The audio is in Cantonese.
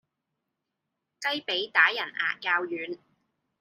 雞脾打人牙較軟